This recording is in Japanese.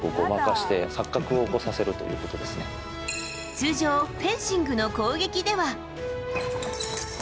通常フェンシングの攻撃では。